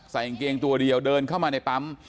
กางเกงตัวเดียวเดินเข้ามาในปั๊ม